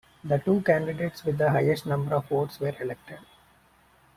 The two candidates with the highest number of votes were elected.